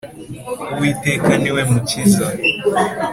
Uwiteka niwe mukiza.